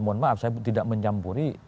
mohon maaf saya tidak mencampuri